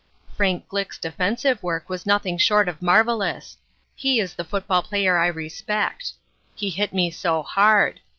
"Frank Glick's defensive work was nothing short of marvelous. He is the football player I respect. He hit me so hard.